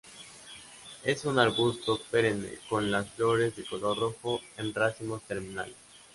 Es un arbusto perenne con las flores de color rojo en racimos terminales.